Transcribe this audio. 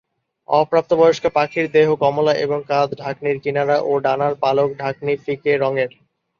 অপ্রাপ্তবয়স্ক পাখির দেহ কমলা এবং কাঁধ-ঢাকনির কিনারা ও ডানার পালক ঢাকনি ফিকে রঙের।